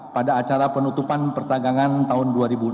pada acara penutupan perdagangan tahun dua ribu enam belas